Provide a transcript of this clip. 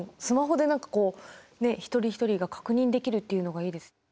スマホで何かこう一人一人が確認できるっていうのがいいです。